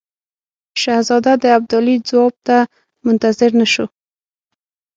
شهزاده د ابدالي جواب ته منتظر نه شو.